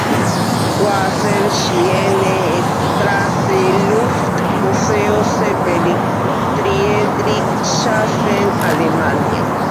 Wasser, Schiene, Straße, Luft, Museo Zeppelin, Friedrichshafen, Alemania.